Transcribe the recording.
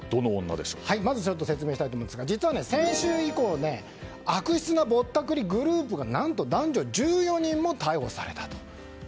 まず説明したいと思いますが実は、先週以降悪質なぼったくりグループが何と男女１７人も逮捕されたと。